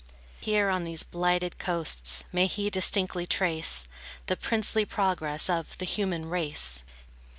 Here, on these blighted coasts, May he distinctly trace "The princely progress of the human race!"